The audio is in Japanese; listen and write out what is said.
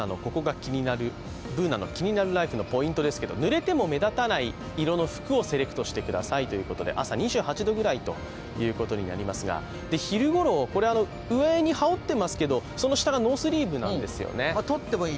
「ＢｏｏｎａのキニナルＬＩＦＥ」のポイントですけれども、ぬれても目立たない色の服をセレクトしてくださいということで、朝２８度ぐらいですけど昼ごろ、上に羽織ってますけど、その下がノースリーブなんですよね。